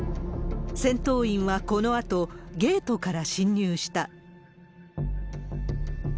戦闘員はこのあと、ゲートから侵入した。